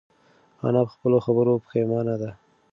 انا په خپلو خبرو پښېمانه ده.